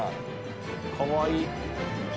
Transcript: かわいい！